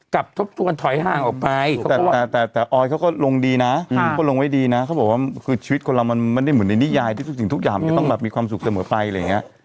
คืออะไรก็มันไม่ได้เหมือนในนิยายที่ซึ่งทุกอย่างมันจะต้องแบบมีความสุขเสมอไปอะไรอย่างงี้